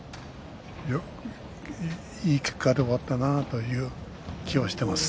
いい結果で終わったなという気はしています。